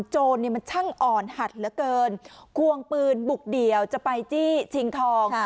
โจรเนี่ยมันช่างอ่อนหัดเหลือเกินควงปืนบุกเดี่ยวจะไปจี้ชิงทอง